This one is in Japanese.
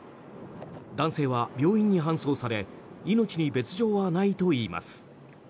男性は病院に搬送され命に別条はないといいます。